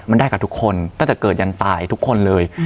มันได้กับทุกคนตั้งแต่เกิดยันตายทุกคนเลย